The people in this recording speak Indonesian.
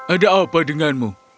ada apa denganmu